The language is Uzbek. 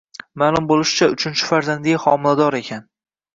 Ma'lum bo'lishicha, uchinchi farzandiga homilador ekan